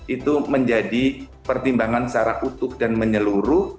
itu menjadi pertimbangan secara utuh dan menyeluruh